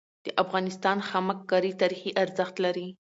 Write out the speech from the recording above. د افغانستان خامک کاری تاریخي ارزښت لري.